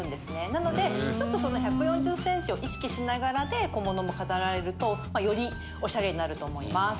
なのでちょっとその１４０ｃｍを意識しながらで小物も飾られるとよりオシャレになると思います。